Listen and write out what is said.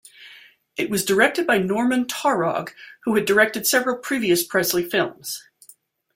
It was directed by Norman Taurog, who had directed several previous Presley films.